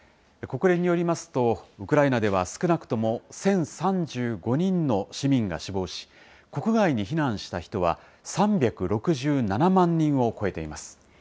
国連によりますと、ウクライナでは少なくとも１０３５人の市民が死亡し、国外に避難した人は３６７万人を超えています。